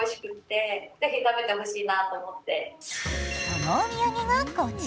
そのお土産がこちら。